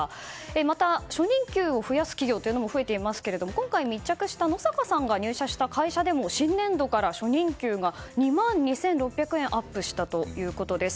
また初任給を増やす企業も増えていますけども今回、密着した野坂さんが入社した会社でも新年度から初任給が２万２６００円アップしたということです。